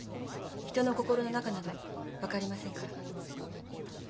人の心の中など分かりませんから。